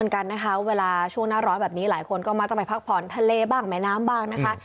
กันนะคะเวลาช่วงหน้าร้อนแบบนี้หลายคนก็มักจะไปพักผ่อนทะเลบ้างแม่น้ำบ้างนะคะ